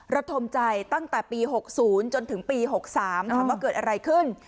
ระทมใจตั้งแต่ปี๖๐จนถึงปี๖๓ถามว่าเกิดอะไรขึ้น